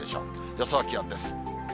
予想気温です。